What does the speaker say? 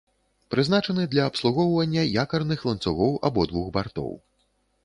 Прызначаны для абслугоўвання якарных ланцугоў абодвух бартоў.